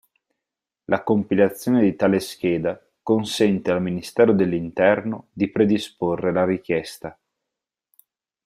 La compilazione di tale scheda consente al Ministero dell'Interno di predisporre la richiesta.